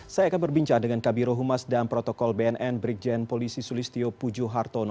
saya akan berbincang dengan kabiro humas dan protokol bnn brigjen polisi sulistyo pujo hartono